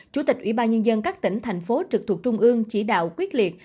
chủ tịch ủy ban nhân dân các tỉnh thành phố trực thuộc trung ương chỉ đạo quyết liệt